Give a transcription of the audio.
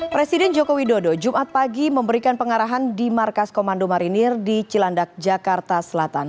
presiden joko widodo jumat pagi memberikan pengarahan di markas komando marinir di cilandak jakarta selatan